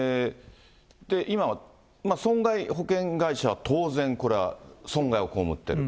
今、損害保険会社は、当然これは損害をこうむってる。